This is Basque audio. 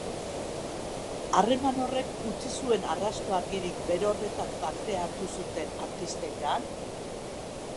Harreman horrek utzi zuen arrasto argirik berorretan parte hartu zuten artistengan?